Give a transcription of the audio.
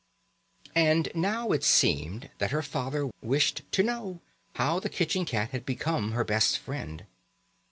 And now it seemed that her father wished to know how the kitchen cat had become her best friend.